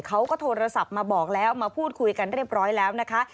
เขาก็โทรศัพท์มาบอกแล้วมาพูดคุยกันเรียบร้อยแล้วนะคะ